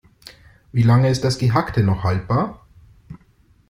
Wie lange ist das Gehackte noch haltbar?